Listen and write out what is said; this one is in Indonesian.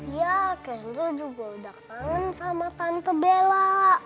ya kenzo juga udah kangen sama tante bela